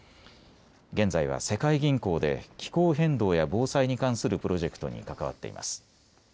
現在は世界銀行で気候変動や防災に関するプロジェクトに関わっています。